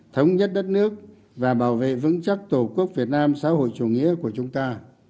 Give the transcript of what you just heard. thống nhất đất nước và bảo vệ vững chắc tổ quốc việt nam xã hội chủ nghĩa của chúng ta